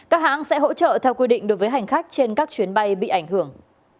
các hãng sẽ hỗ trợ theo quy định đối với hành khách trên các chuyến bay bị ảnh hưởng